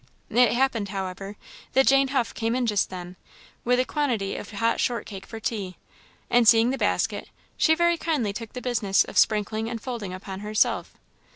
It happened, however, that Jane Huff came in just then, with a quantity of hot short cake for tea; and seeing the basket, she very kindly took the business of sprinkling and folding upon herself.